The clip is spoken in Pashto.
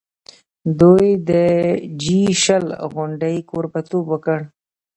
دوی د جي شل غونډې کوربه توب وکړ.